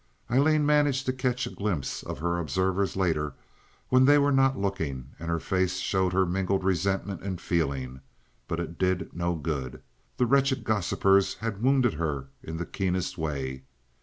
Aileen managed to catch a glimpse of her observers later, when they were not looking, and her face showed her mingled resentment and feeling; but it did no good. The wretched gossipers had wounded her in the keenest way.